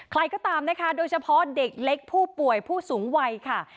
ใครก็ตามนะคะโดยเฉพาะเด็กเล็กผู้ป่วยผู้สูงวัยค่ะ